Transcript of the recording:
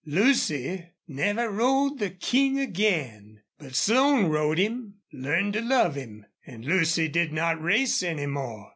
Lucy never rode the King again. But Slone rode him, learned to love him. And Lucy did not race any more.